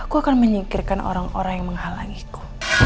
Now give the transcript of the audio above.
aku akan menyingkirkan orang orang yang menghalangiku